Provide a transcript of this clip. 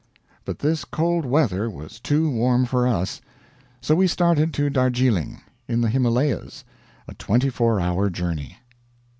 But this cold weather was too warm for us; so we started to Darjeeling, in the Himalayas a twenty four hour journey.